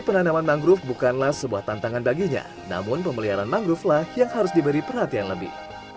penanaman mangrove bukanlah sebuah tantangan baginya namun pemeliharaan mangrovelah yang harus diberi perhatian lebih